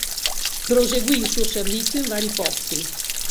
Proseguì il suo servizio in vari posti.